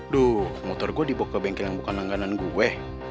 duh motor gue dibawa ke bengkel yang bukan langganan gue